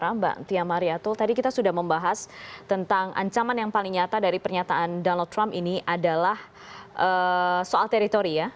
mbak tia mariatul tadi kita sudah membahas tentang ancaman yang paling nyata dari pernyataan donald trump ini adalah soal teritori ya